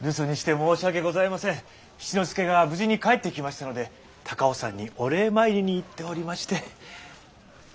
七之助が無事に帰ってきましたので高尾山にお礼参りに行っておりまして。